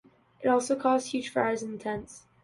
It also caused huge fires in the tents.